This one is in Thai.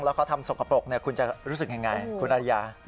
แล้วเขาทำสกปรกคุณจะรู้สึกอย่างไรคุณอริยา